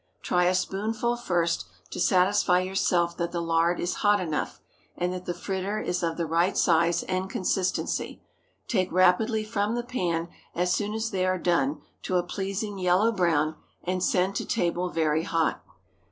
Try a spoonful first, to satisfy yourself that the lard is hot enough, and that the fritter is of the right size and consistency. Take rapidly from the pan as soon as they are done to a pleasing yellow brown, and send to table very hot.